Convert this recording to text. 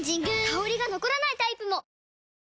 香りが残らないタイプも！